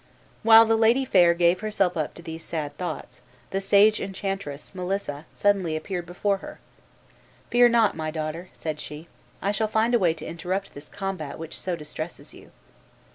While the fair lady gave herself up to these sad thoughts, the sage enchantress, Melissa, suddenly appeared before her. "Fear not, my daughter," said she, "I shall find a way to interrupt this combat which so distresses you."